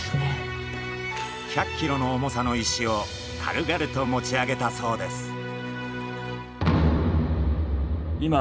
１００キロの重さの石を軽々と持ち上げたそうです。